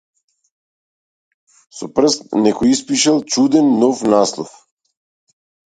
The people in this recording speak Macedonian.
Со прст некој испишал чуден, нов наслов.